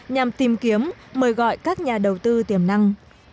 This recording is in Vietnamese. nhằm tìm kiếm mời gọi các nhà đầu tư tiềm năng